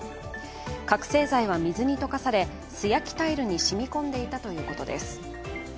覚醒剤は水に溶かされ、素焼きタイルに染み込んでいたということです。